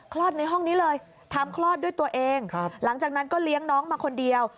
ในห้องนี้เลยทำคลอดด้วยตัวเองหลังจากนั้นก็เลี้ยงน้องมาคนเดียว